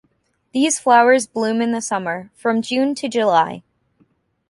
These flowers bloom in the Summer, from June to July.